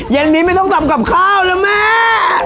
เย็นนี้ไม่ต้องกล่ำกลับเข้าเลยแม่